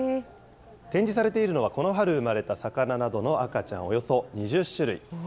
展示されているのは、この春、生まれた魚などの赤ちゃんおよそ２０種類。